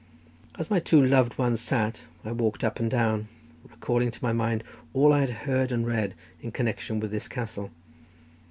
As my two loved ones sat I walked up and down, recalling to my mind all I had heard and read in connection with this castle.